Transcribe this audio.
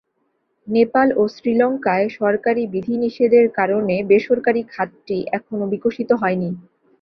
নেপাল ও শ্রীলঙ্কায় সরকারি বিধিনিষেধের কারণে বেসরকারি খাতটি এখনো বিকশিত হয়নি।